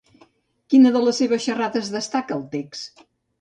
Quina de les seves xerrades destaca el text?